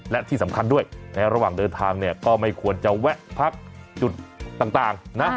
และที่สำคัญด้วยในระหว่างเดินทางเนี่ยก็ไม่ควรจะแวะพักจุดต่างนะ